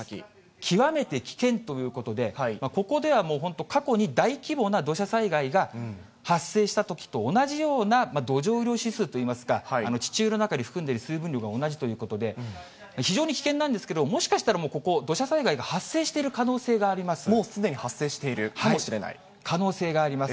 極めて危険ということで、ここではもう本当、過去に大規模な土砂災害が発生したときと同じような土壌雨量指数といいますか、地中の中に含んでいる水分量と同じということで、非常に危険なんですけど、もしかしたら、ここ、土砂災害が発生している可能性がもうすでに発生しているかも可能性があります。